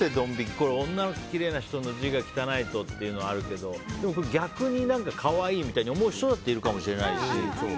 これ、きれいな人の字が汚いとっていうのはあるけど逆に可愛いみたいに思う人だっているかもしれないし。